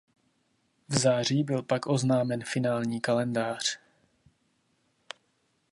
V září byl pak oznámen finální kalendář.